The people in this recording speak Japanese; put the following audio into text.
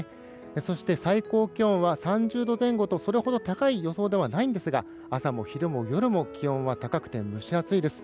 そして、最高気温は３０度前後とそれほど高い予想ではありませんが朝も昼も夜も気温は高くて蒸し暑いです。